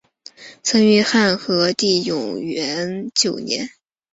曾于汉和帝永元九年。